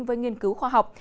với nghiên cứu khoa học